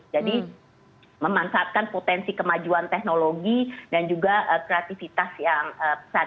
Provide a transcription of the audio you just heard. jadi memanfaatkan potensi kemajuan teknologi dan juga kreativitas yang pesat